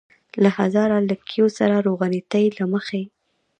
له هزاره لږکیو سره روغنيتۍ له مخې.